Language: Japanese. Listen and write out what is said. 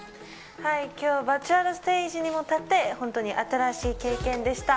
今日バーチャルステージにも立って本当に新しい経験でした。